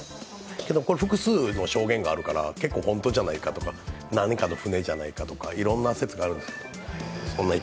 けどこれ、複数の証言があるから、結構本当じゃないかとか何かの船じゃないかとかいろんな説がある。